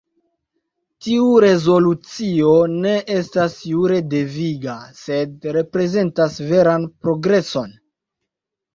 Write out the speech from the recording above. Tiu rezolucio ne estas jure deviga, sed reprezentas veran progreson.